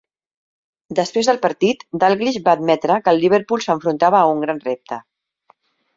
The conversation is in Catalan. Després del partit, Dalglish va admetre que el Liverpool s'enfrontava a un "gran repte".